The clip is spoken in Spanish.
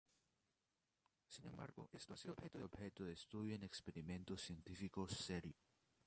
Sin embargo, esto ha sido objeto de estudio en experimentos científicos serios.